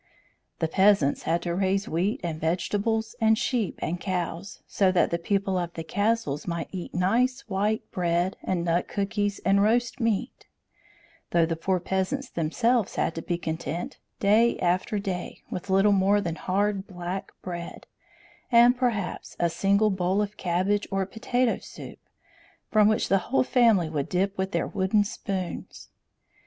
The peasants had to raise wheat and vegetables and sheep and cows, so that the people of the castles might eat nice, white bread, and nut cookies and roast meat; though the poor peasants themselves had to be content, day after day, with little more than hard, black bread, and perhaps a single bowl of cabbage or potato soup, from which the whole family would dip with their wooden spoons.